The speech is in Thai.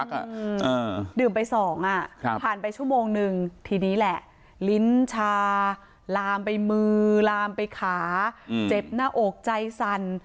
อ่าดื่มไปสองอ่ะครับผ่านไปชั่วโมงนึงทีนี้แหละลิ้นชาลามไปมือลามไปขาอืมเจ็บหน้าอกใจสั่น